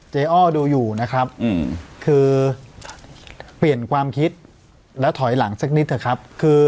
เจอ้อดูอยู่นะครับ